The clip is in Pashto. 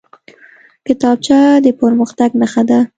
کتابچه د پرمختګ نښه ده